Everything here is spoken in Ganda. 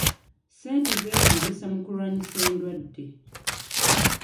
Ssente zeetaagisa mu kulwanyisa endwadde.